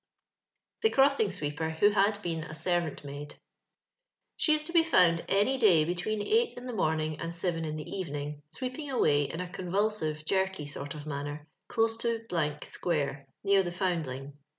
Thb Crosbino.Sweepeb who had bexh ▲ Ssbvamt Maid. She is to be found any day between eight in the morning and seven in the evening, sweep ing away in a convulsive, jerky sort of manner, close to —> square, near the Foundling.